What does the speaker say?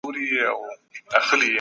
شعوري انسانان د ټولني پرمختګ ته کار کوي.